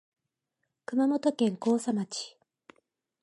熊本県甲佐町